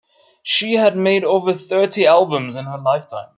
She had made over thirty albums in her lifetime.